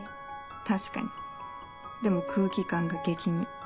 確かにでも空気感が激似。